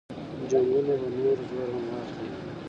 جنګونه به نور زور هم واخلي.